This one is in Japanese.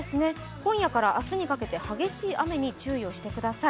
今夜から明日にかけて激しい雨に注意をしてください。